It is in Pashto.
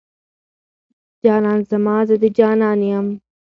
جانان زما، زه د جانان يم